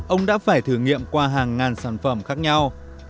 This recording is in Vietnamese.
ông đã phải thử nghiệm qua hàng ngàn sản phẩm khác nhau